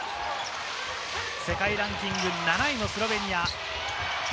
世界ランキング７位のスロベニア。